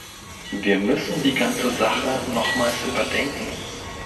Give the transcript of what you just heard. Wir müssen die ganze Sache nochmals überdenken.